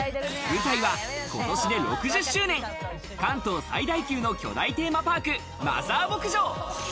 舞台は今年で６０周年、関東最大級の巨大テーマパーク・マザー牧場。